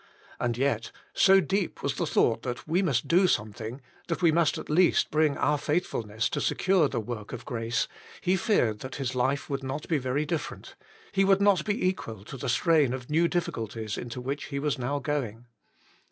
And yet, so deep was the thought that we must do something, that we must at least bring our faithfulness to secure the work of grace, he feared that his life would not be very different ; he would not be equal to the strain of new difficulties into which he was now going.